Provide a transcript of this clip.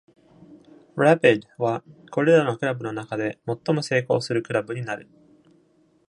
Rapid はこれらのクラブの中で最も成功するクラブになる。